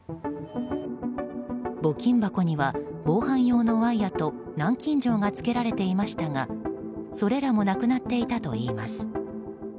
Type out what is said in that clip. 募金箱には防犯用のワイヤと南京錠がつけられていましたがそれらもなくなっていたといいます。